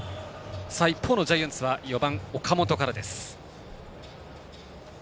一方のジャイアンツは４番、岡本からです。